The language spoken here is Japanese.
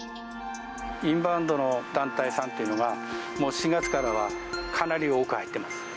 インバウンドの団体さんというのが、もう４月からはかなり多く入っています。